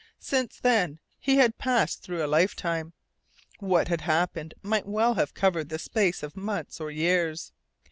Since then he had passed through a lifetime. What had happened might well have covered the space of months or of years.